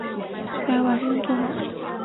而吉亚奇诺很清楚该如何把这件事做好。